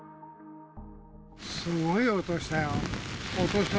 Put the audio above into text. すごい音したよ。